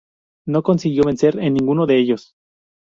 No consiguió vencer en ninguno de ellos.